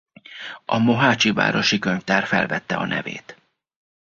A mohácsi városi könyvtár felvette a nevét.